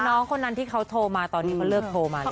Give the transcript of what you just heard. น้องคนนั้นที่เขาโทรมาตอนที่เขาเลิกโทรมาแล้ว